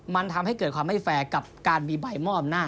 มันทำให้เกิดความไม่แฟร์กับการมีใบมอบอำนาจ